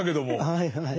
はいはい。